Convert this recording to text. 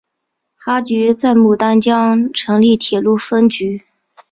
哈局在牡丹江成立铁路分局。